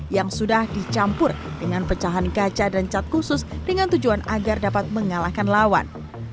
yang sudah dicampur dengan pecahan kaca dan cat khusus dengan tujuan agar dapat mengalahkan lawan